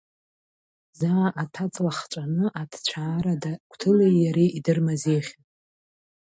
Заа аҭәа-ҵла хҵәаны, аҭцәаарада, Қәҭыли иареи идырмазеихьан.